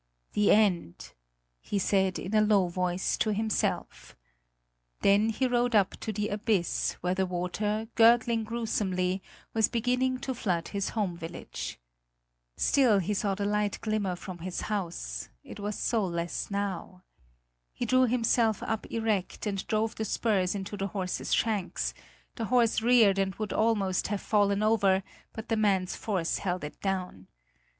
"The end!" he said, in a low voice to himself. Then he rode up to the abyss where the water, gurgling gruesomely, was beginning to flood his home village. Still he saw the light glimmer from his house; it was soulless now. He drew himself up erect, and drove the spurs into his horse's shanks; the horse reared and would almost have fallen over, but the man's force held it down.